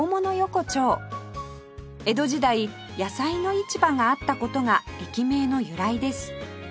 江戸時代野菜の市場があった事が駅名の由来です